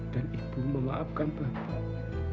dan ibu memaafkan bapak